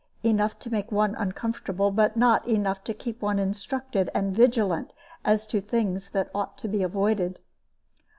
Enough to make one uncomfortable, but not enough to keep one instructed and vigilant as to things that ought to be avoided.